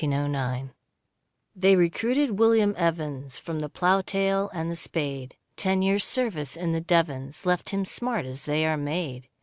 1902 1909 They recruited William Evans From the ploughtail and the spade; Ten years' service in the Devons Left him smart as they are made.